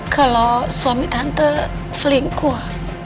kalau suami tante selingkuh